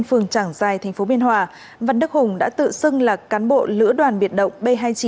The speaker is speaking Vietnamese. phường trảng giai tp biên hòa văn đức hùng đã tự xưng là cán bộ lửa đoàn biệt động b hai mươi chín